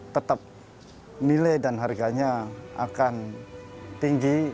tetap nilai dan harganya akan tinggi